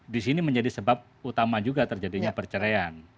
disini menjadi sebab utama juga terjadinya perceraian